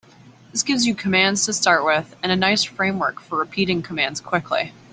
This gives you commands to start with and a nice framework for repeating commands quickly.